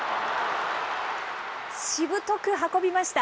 しぶとく運びました。